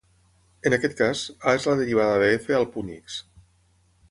En aquest cas, "A" és la derivada de "f" al punt "x".